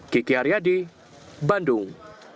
kiki aryadi bandung